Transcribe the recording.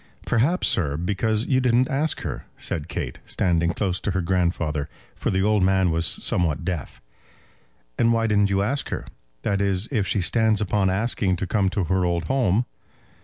"Perhaps, sir, because you didn't ask her," said Kate, standing close to her grandfather, for the old man was somewhat deaf. "And why didn't you ask her; that is, if she stands upon asking to come to her old home?"